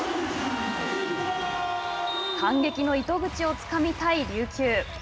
反撃の糸口をつかみたい琉球。